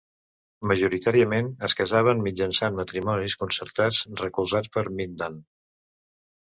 Majoritàriament, es casaven mitjançant matrimonis concertats recolzats per Mindan.